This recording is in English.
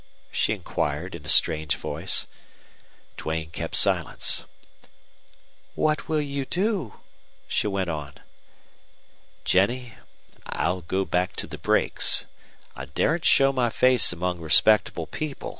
she inquired, in a strange voice. Duane kept silence. "What will you do?" she went on. "Jennie, I'll go back to the brakes. I daren't show my face among respectable people.